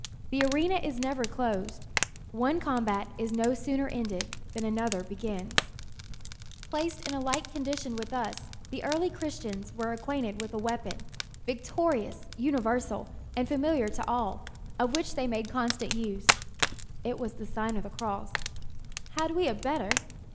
The arena is never closed; one combat is no sooner ended than another begins. 316 The Sign of the Cross Placed in a like condition with us, the early Christians were acquainted with a weapon, victorious, universal, and familiar to all, of which they made constant use ; it was the Sign of the Cross. Have we a better?